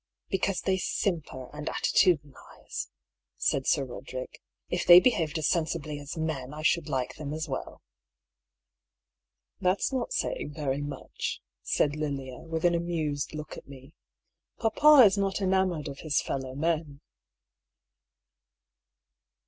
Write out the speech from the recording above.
"Because they simper and attitudinise," said Sir Roderick. " If they behaved as sensibly as men I should like them as well." " That's not saying very much," said Lilia, with an amused look at me. " Papa is not enamoured of his fellow men."